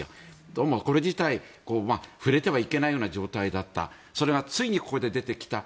どうもこれ自体触れてはいけないような状態だったそれがついにここで出てきた。